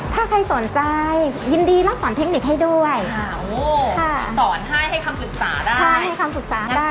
ถ้าใครสนใจยินดีแล้วสอนเทคนิคให้ด้วยครับโหค่ะสอนให้ให้คำศึกษาได้ใช่ให้คำศึกษาได้